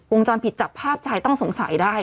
จรปิดจับภาพชายต้องสงสัยได้